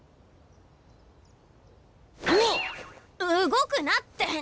動くなって！